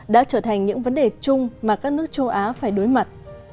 đã trở thành những vấn đề chung mà các nước châu á phải đối mặt